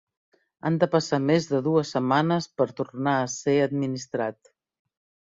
Han de passar més de dues setmanes per tornar a ser administrat.